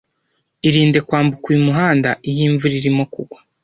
Irinde kwambuka uyu muhanda iyo imvura irimo kugwa.